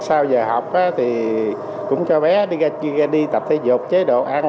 sau giờ học thì cũng cho bé đi tập thể dục chế độ ăn